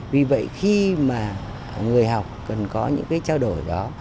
vì vậy khi mà người học cần có những cái trao đổi đó